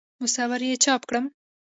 مصور یې چاپ کړم.